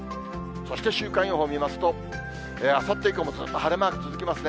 そして週間予報を見ますと、あさって以降もずっと晴れマーク続きますね。